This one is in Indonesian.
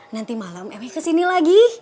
nanti malam emi kesini lagi